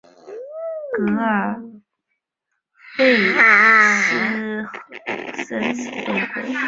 格尔贝尔斯豪森是德国图林根州的一个市镇。